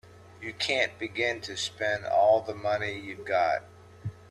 You can't begin to spend all the money you've got.